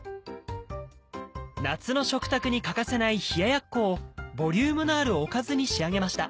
夏の食卓に欠かせない冷ややっこをボリュームのあるおかずに仕上げました。